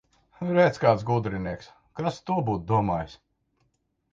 Redz, kāds gudrinieks! Kas to būtu domājis!